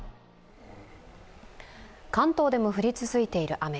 関東でも降り続いている雨。